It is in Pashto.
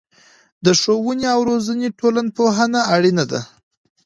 د ښوونې او روزنې ټولنپوهنه اړينه ده.